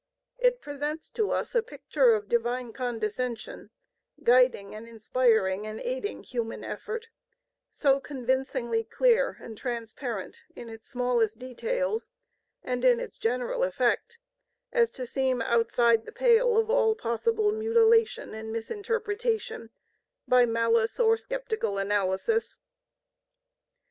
It presents to us a picture of Divine Condescension guiding and inspiring and aiding human effort, so convincingly clear and transparent in its smallest details and in its general effect as to seem outside the pale of all possible mutilation and misinterpretation by malice or skeptical analysis.